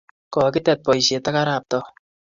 Kokitet poisyet ak arap Too.